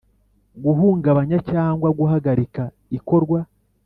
guhungabanya cyangwa guhagarika ikorwa